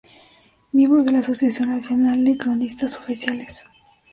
Miembro de la Asociación Nacional de Cronistas Oficiales.